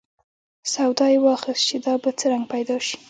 سودا یې واخیست چې دا به څه رنګ پیدا شي.